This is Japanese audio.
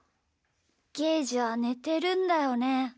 ゲージは、ねてるんだよね？